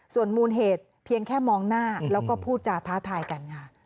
ส่วนมูลเหตุเพียงแค่มองหน้าแล้วก็พูดจาท้าทายกันค่ะ